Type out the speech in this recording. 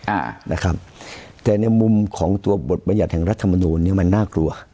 อ่านะครับแต่ในมุมของตัวบทบรรยัติแห่งรัฐมนูลเนี้ยมันน่ากลัว